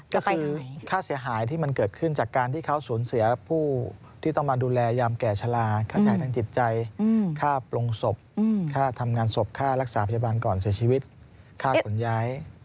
ก็คือค่าเสียหายที่มันเกิดขึ้นจากการที่เขาสูญเสียผู้ที่ต้องมาดูแลยามแก่ชะลาค่าใช้ทางจิตใจค่าปลงศพค่าทำงานศพค่ารักษาพยาบาลก่อนเสียชีวิตค่าขนย้าย